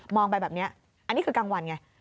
ไปแบบนี้อันนี้คือกลางวันไง